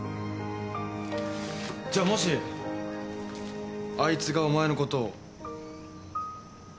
じゃあもしあいつがお前のことを。